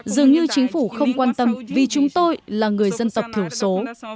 dường như chính phủ không quan tâm vì chúng tôi là người dân tộc thiểu số